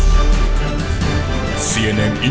masa ada lagi